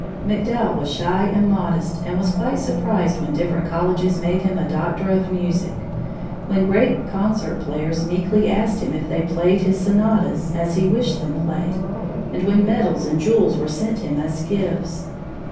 MacDowell was shy and modest and was quite surprised when different colleges made him a Doctor of Music, when great concert players meekly asked him if they played his sonatas as he wished them played, and when medals and jewels were sent him as gifts.